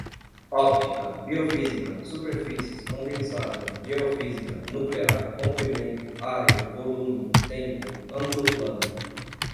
óptica, biofísica, superfícies, condensada, geofísica, nuclear, comprimento, área, volume, tempo, ângulo plano